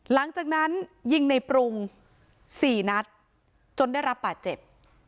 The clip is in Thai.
หลังจากนั้นยิงในปรุง๔นัดจนได้รับบาดเจ็บ